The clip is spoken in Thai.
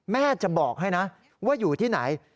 แม่จะบอกให้นะว่าอยู่ที่ไหน